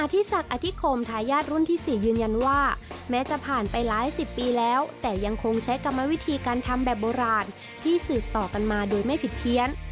ที่ศักดิ์อธิคมทายาทรุ่นที่๔ยืนยันว่าแม้จะผ่านไปหลายสิบปีแล้วแต่ยังคงใช้กรรมวิธีการทำแบบโบราณที่สืบต่อกันมาโดยไม่ผิดเพี้ยน